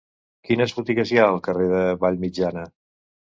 Quines botigues hi ha al carrer de Vallmitjana?